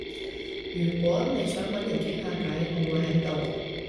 如果你想搵人傾下偈，我會喺度